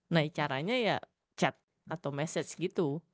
nah caranya ya chat atau message gitu